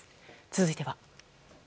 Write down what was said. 続いては。